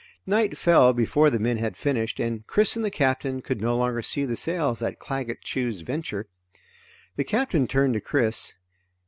Night fell before the men had finished and Chris and the Captain could no longer see the sails of Claggett Chew's Venture. The Captain turned to Chris.